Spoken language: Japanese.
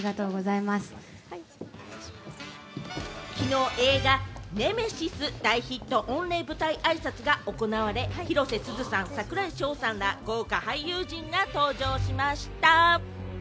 昨日、映画『ネメシス』大ヒット御礼舞台挨拶が行われ、広瀬すずさん、櫻井翔さんら豪華俳優陣が登場しました。